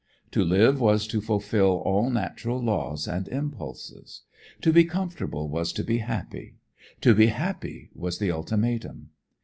To live was to fulfil all natural laws and impulses. To be comfortable was to be happy. To be happy was the ultimatum.